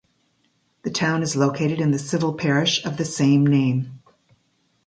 The town is located in the civil parish of the same name.